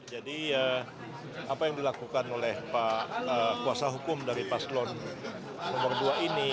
jadi apa yang dilakukan oleh pak kuasa hukum dari paslon nomor dua ini